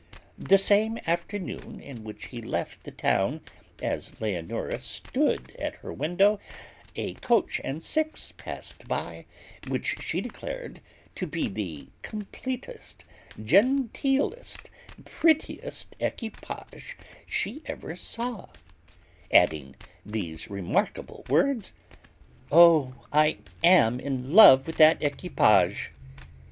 The same afternoon in which he left the town, as Leonora stood at her window, a coach and six passed by, which she declared to be the completest, genteelest, prettiest equipage she ever saw; adding these remarkable words, "Oh, I am in love with that equipage!"